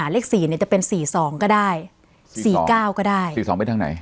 อ่าเลขสี่เนี้ยจะเป็นสี่สองก็ได้สี่สองสี่เก้าก็ได้สี่สองเป็นทางไหน